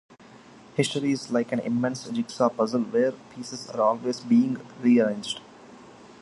History is like an immense jigsaw puzzle where pieces are always being rearranged.